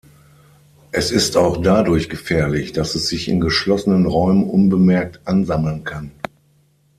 Es ist auch dadurch gefährlich, dass es sich in geschlossenen Räumen unbemerkt ansammeln kann.